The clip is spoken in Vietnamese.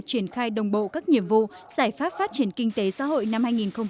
triển khai đồng bộ các nhiệm vụ giải pháp phát triển kinh tế xã hội năm hai nghìn hai mươi